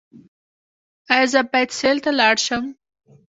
ایا زه باید سیل ته لاړ شم؟